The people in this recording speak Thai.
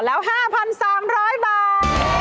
แล้ว๕๓๐๐บาท